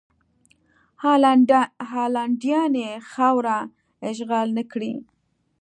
هالنډیان یې خاوره اشغال نه کړي.